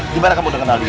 gimana kamu udah kenal dia